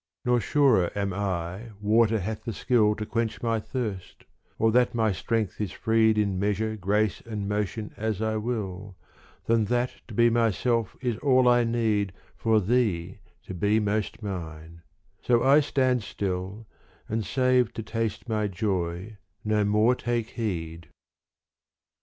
Nor surer am I water hath the skill To quench my thirst or that my strength is freed In measure, grace and motion as I will Than that to be myself is all I need For thee to be most mine : so I stand still And save to taste my joy no more take heed.